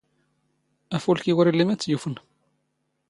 ⴰⴼⵓⵍⴽⵉ ⵓⵔ ⵉⵍⵍⵉ ⵎⴰⴷ ⵜ ⵢⵓⴼⵏ.